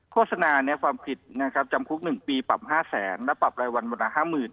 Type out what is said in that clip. โฆษณาในความผิดนะครับจำคุก๑ปีปรับ๕๐๐๐๐๐บาทแล้วปรับรายวันละ๕๐๐๐๐บาท